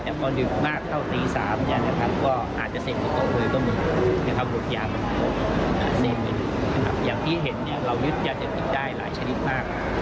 แต่บอนดึงมากเท่าตีสามอาจจะเสพอีกตกหน่อยก็มีหลดยาประมาณหก